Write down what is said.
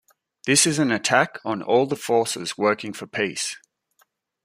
This is an attack on all the forces working for peace.